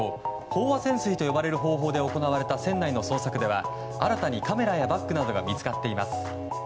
飽和潜水と呼ばれる方法で行われた船内の捜索では新たにカメラやバッグなどが見つかっています。